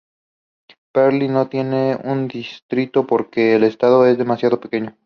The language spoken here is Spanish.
Perlis no tiene un distrito porque el estado es demasiado pequeño.